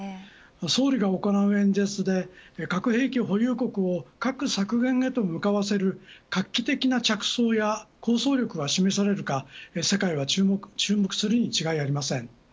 総理が行う予定の演説で核削減へと向かわせる画期的な着想や構想力が示されるか世界が注目するに違いありません。